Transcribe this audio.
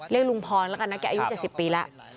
ลุงพรแล้วกันนะแกอายุ๗๐ปีแล้ว